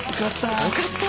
よかった。